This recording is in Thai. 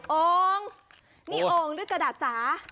โอ้งนี่โอ่งหรือกระดาษสา